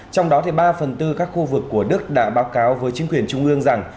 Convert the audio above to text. trong đó ba phần tư các khu vực của đức đã báo cáo với chính quyền trung ương rằng